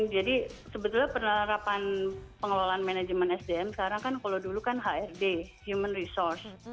jadi sebetulnya penerapan pengelolaan manajemen sdm sekarang kan kalau dulu kan hrd human resource